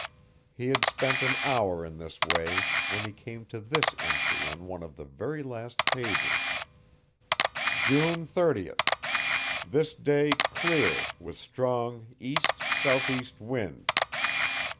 He had spent an hour in this way when he came to this entry on one of the very last pages: "June 30: This day clear with strong E. S. E. wind.